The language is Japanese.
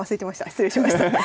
失礼しました。